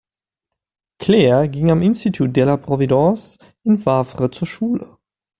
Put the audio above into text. Claire ging am "Institut de la Providence" in Wavre zur Schule.